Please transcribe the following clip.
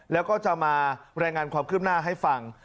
แล้วก็จะมารายงานความคืบหน้าให้ฟัง